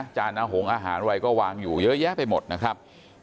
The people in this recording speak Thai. จานอาหารหงอาหารอะไรก็วางอยู่เยอะแยะไปหมดนะครับ